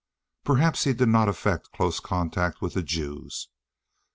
Perhaps he did not affect close contact with Jews.